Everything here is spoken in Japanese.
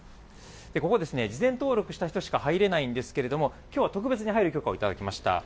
ここですね、事前登録した人しか入れないんですけれども、きょうは特別に入る許可をいただきました。